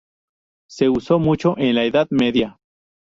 Se usó mucho en la Edad Media.